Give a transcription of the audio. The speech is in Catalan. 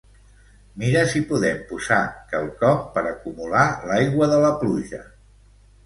Mira si podem posar quelcom per acumular l'aigua de la pluja.